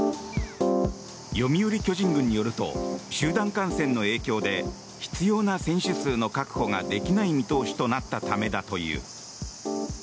読売巨人軍によると集団感染の影響で必要な選手数の確保ができない見通しとなったためだという。